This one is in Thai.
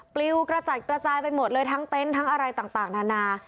ปลิวกระจัดกระจายไปหมดเลยทั้งเต็นต์ทั้งอะไรต่างนานา